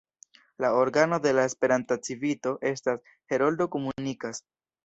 La organo de la Esperanta Civito estas "Heroldo komunikas".